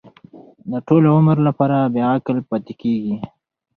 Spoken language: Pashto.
د ټول عمر لپاره بې عقل پاتې کېږي.